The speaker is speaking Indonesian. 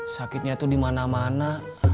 sakitnya tuh dimana mana